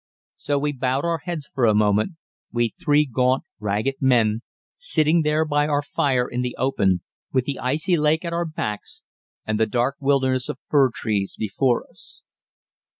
So we bowed our heads for a moment, we three gaunt, ragged men, sitting there by our fire in the open, with the icy lake at our backs and the dark wilderness of fir trees before us.